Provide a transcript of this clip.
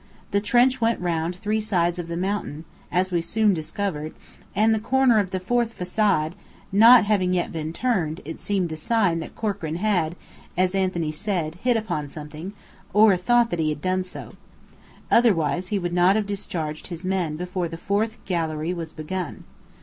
The trench went round three sides of the mountain, as we soon discovered; and the corner of the fourth façade not having yet been turned, it seemed a sign that Corkran had, as Anthony said, "hit upon something," or thought that he had done so. Otherwise he would not have discharged his men before the fourth gallery was begun.